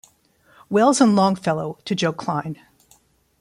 Wells and Longfellow to Joe Klein.